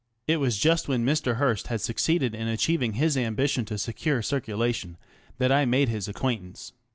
It was just when Mr. Hearst had succeeded in achieving his ambition to secure circulation that I made his acquaintance.